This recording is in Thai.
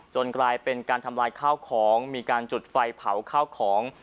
กลายเป็นการทำลายข้าวของมีการจุดไฟเผาข้าวของ